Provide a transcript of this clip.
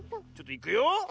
ちょっといくよ。